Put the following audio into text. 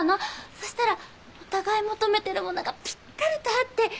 そしたらお互い求めてるものがぴったりと合って。